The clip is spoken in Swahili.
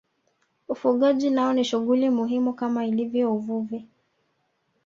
Ufugaji nao ni shughuli muhimu kama ilivyo uvuvi